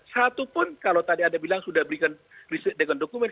satu pun kalau tadi anda bilang sudah berikan riset dengan dokumen